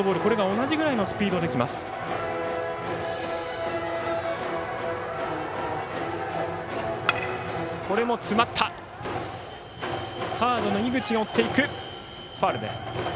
同じぐらいのスピードできます。